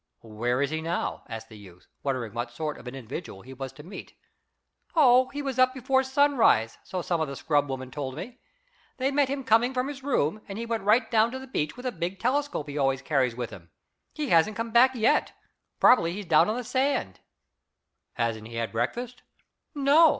"Where is he now?" asked the youth, wondering what sort of an individual he was to meet. "Oh, he was up before sunrise, so some of the scrubwomen told me. They met him coming from his room, and he went right down to the beach with a big telescope he always carries with him. He hasn't come back yet. Probably he's down on the sand." "Hasn't he had breakfast?" "No.